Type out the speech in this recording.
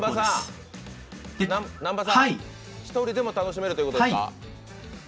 南波さん、１人でも楽しめるということですか？